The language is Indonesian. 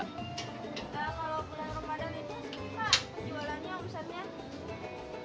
kalau bulan ramadhan ini sepi mbak